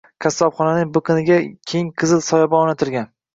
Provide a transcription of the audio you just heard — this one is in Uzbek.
Qassobxonaning biqiniga keng qizil soyabon o‘rnatilgan